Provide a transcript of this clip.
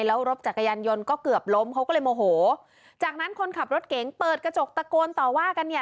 แล้วรถจักรยานยนต์ก็เกือบล้มเขาก็เลยโมโหจากนั้นคนขับรถเก๋งเปิดกระจกตะโกนต่อว่ากันเนี่ย